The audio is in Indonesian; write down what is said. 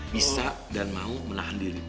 bisa dan mau menahan diri